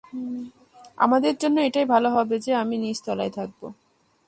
আমাদের জন্য এটাই ভাল হবে যে, আমি নিচতলায় থাকব।